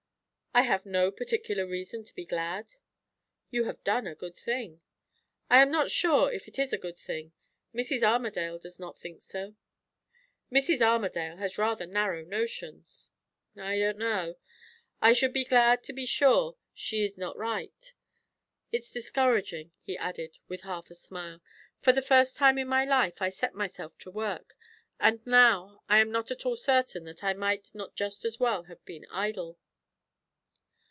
"I have no particular reason to be glad." "You have done a good thing." "I am not sure if it is a good thing. Mrs. Armadale does not think so." "Mrs. Armadale has rather narrow notions." "I don't know. I should be glad to be sure she is not right. It's discouraging," he added, with half a smile; "for the first time in my life I set myself to work; and now am not at all certain that I might not just as well have been idle."